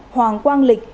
hoàng quang lịch